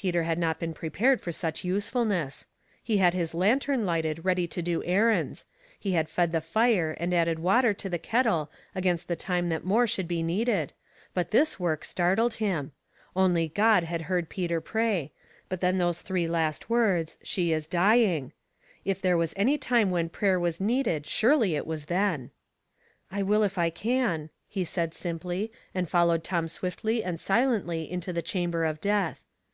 Peter had not been prepared for such useful ness. He had his lantern lighted ready to do er rands ; he had fed the fire and added water to the kettle against the time that more would be W7iat is the Difference f *' 85 needed, but this work startled him. Only God had heard Peter pray ; but then those three last words, " she is dying.''^ If there was any time when prayer was needed surely it was then. " I will if I can," he said, simply, and followed Tom swiftly and silently into the chamber of death.